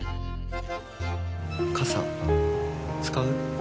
傘、使う？